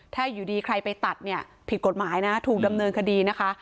ถ้าอยู่ดีใครไปตัดเนี่ยผิดกฎหมายนะถูกดำเนินคดีนะคะ